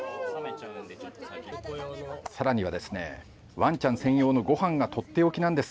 さらにはですね、ワンちゃん専用のごはんが取って置きなんです。